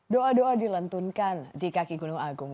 doa doa dilentunkan di kaki gunung agung